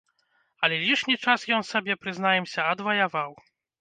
Але лішні час ён сабе, прызнаемся, адваяваў.